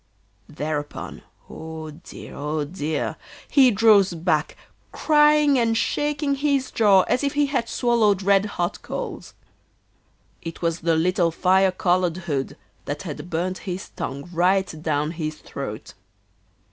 Thereupon, oh dear! oh dear! he draws back, crying and shaking his jaw as if he had swallowed red hot coals. It was the little fire coloured hood that had burnt his tongue right down his throat.